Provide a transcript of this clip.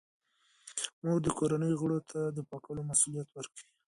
مور د کورنۍ غړو ته د پاکولو مسوولیت ورکوي.